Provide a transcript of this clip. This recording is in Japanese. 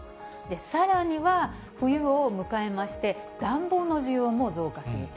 さらには、冬を迎えまして、暖房の需要も増加すると。